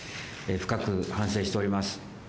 深く反省しております。